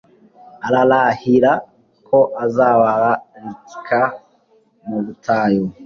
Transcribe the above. ararahira ko azabararika mu butayu